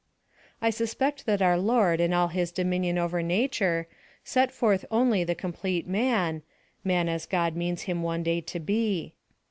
I suspect that our Lord in all his dominion over nature, set forth only the complete man man as God means him one day to be.